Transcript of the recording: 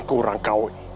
kurang kau ini